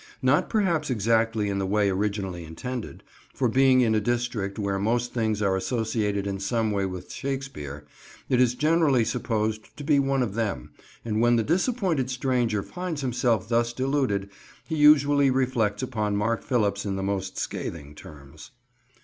Not perhaps exactly in the way originally intended, for being in a district where most things are associated in some way with Shakespeare, it is generally supposed to be one of them, and when the disappointed stranger finds himself thus deluded, he usually reflects upon Mark Phillips in the most scathing terms.